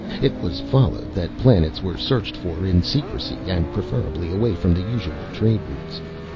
It followed that planets were searched for in secrecy and, preferably, away from the usual trade routes.